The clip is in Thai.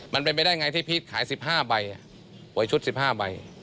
มันเป็นไปได้ไงที่พีชขาย๑๕ใบหวยชุด๑๕ใบ